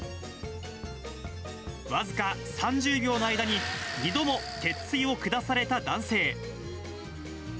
僅か３０秒の間に２度も鉄ついを下された男性。